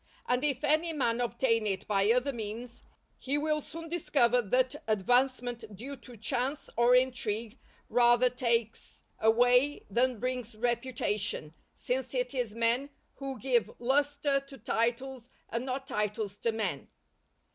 And if any man obtain it by other means, he will soon discover that advancement due to chance or intrigue rather takes away than brings reputation, since it is men who give lustre to titles and not titles to men.